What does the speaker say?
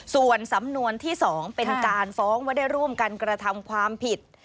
ส่วนสำนวนที่๒เป็นการฟ้องว่าได้ร่วมกันกระทำความผิด